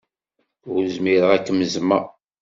Ur zmireɣ ad kem-zzmeɣ.